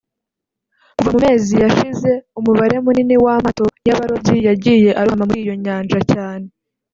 Kuva mu mezi yashize umubare munini w’amato y’abarobyi yagiye arohama muri iyo Nyanja cyane